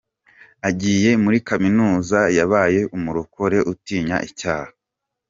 Agiye muri Kaminuza yabaye umurokore utinya icyaha.